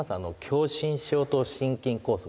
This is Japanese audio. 狭心症と心筋梗塞。